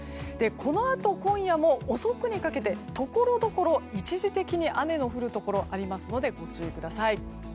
このあと、今夜も遅くにかけてところどころ、一時的に雨の降るところがありますのでご注意ください。